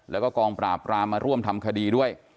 แล้วก็กองปราบรามมาร่วมทำคดีด้วย